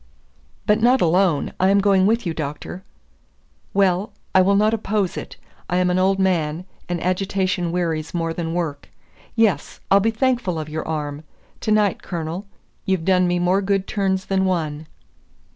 "But not alone. I am going with you, Doctor." "Well, I will not oppose it. I am an old man, and agitation wearies more than work. Yes; I'll be thankful of your arm. To night, Colonel, you've done me more good turns than one."